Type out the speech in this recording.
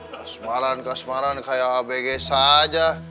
kasmaran kasmaran kayak abg saja